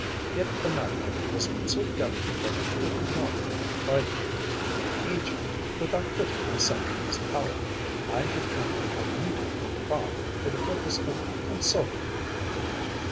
Yet the matter was so delicate that I could not confide it to an agent without putting myself in his power. I have come incognito from Prague for the purpose of consulting you.